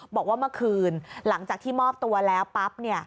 บอกว่าเมื่อคืนหลังจากที่มอบตัวแล้วปั๊บ